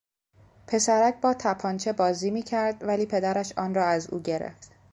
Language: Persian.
پسرک با تپانچه بازی میکرد ولی پدرش آن را از او گرفت.